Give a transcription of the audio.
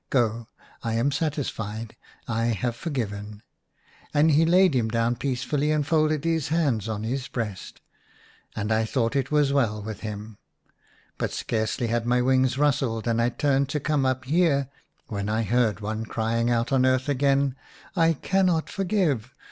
Go, I am satisfied ; I have forgiven ;' and he laid him down peace fully and folded his hands on his breast, IN A RUINED CHAPEL. 105 and I thought it was well with him. But scarcely had my wings rustled and I turned to come up here, when I heard one crying out on earth again, ' I cannot forgive